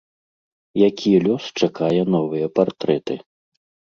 Які лёс чакае новыя партрэты?